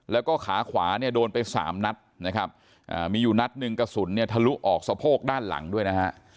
แล้วก็ขาขวาเนี่ยโดนไปสามนัดนะครับมีอยู่นัดหนึ่งกระสุนเนี่ยทะลุออกสะโพกด้านหลังด้วยนะฮะ